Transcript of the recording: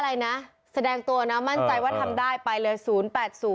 ตัวน้ามาว่ามั่นใจว่าทำแต่ไปเลย